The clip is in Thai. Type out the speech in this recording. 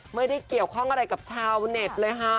ไม่ได้เกี่ยวข้องอะไรกับชาวเน็ตเลยค่ะ